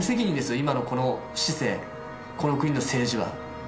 今のこの市政この国の政治は。